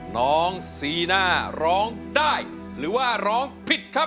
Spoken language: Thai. น้องซีน่าร้องได้หรือว่าร้องผิดครับ